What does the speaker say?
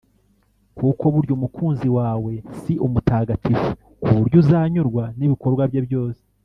kuko burya umukunzi wawe si umutagatifu ku buryo uzanyurwa n’ibikorwa bye byose